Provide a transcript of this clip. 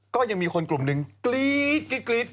ก็ยังมีคนกลุ่มนึงครีดตดตด